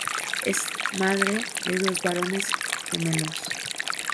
Es madre de dos varones gemelos.